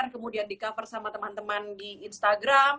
kemudian di cover sama teman teman di instagram